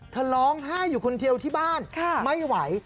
เธอร้องไห้อยู่คนเดียวที่บ้านไม่ไหว